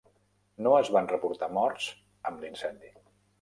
No es van reportar morts amb l'incendi.